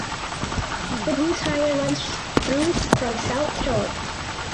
The Bruce Highway runs through from south to north.